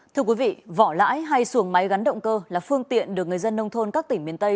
thưa quý vị vỏ lãi hay xuồng máy gắn động cơ là phương tiện được người dân nông thôn các tỉnh miền tây